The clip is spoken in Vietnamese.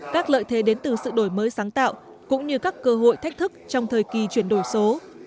các lợi thế đến từ sự đổi mới sáng tạo cũng như các cơ hội thách thức trong thời kỳ chuyển đổi số